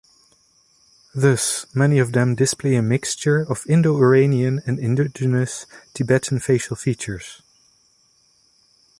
Thus, many of them display a mixture of Indo-Iranian and indigenous Tibetan facial features.